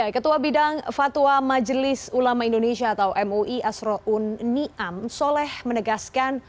ketua bidang fatwa majelis ulama indonesia atau mui asro un niam soleh menegaskan